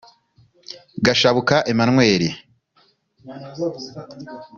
Gashabuka Emmanuel